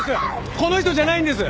この人じゃないんです！